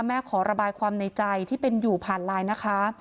ขอระบายความในใจที่เป็นอยู่ผ่านไลน์นะคะ